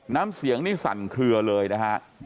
น้ำเสียงนี่สั่นเคลือเลยนะฮะ